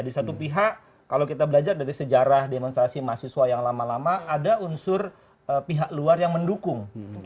di satu pihak kalau kita belajar dari sejarah demonstrasi mahasiswa yang lama lama ada unsur pihak luar yang mendukung